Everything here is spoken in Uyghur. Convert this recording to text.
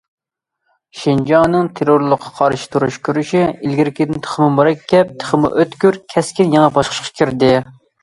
شىنجاڭنىڭ تېررورلۇققا قارشى تۇرۇش كۈرىشى ئىلگىرىكىدىن تېخىمۇ مۇرەككەپ، تېخىمۇ ئۆتكۈر، كەسكىن يېڭى باسقۇچقا كىردى.